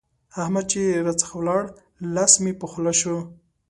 احمد چې راڅخه ولاړ؛ لاس مې په خوله شو.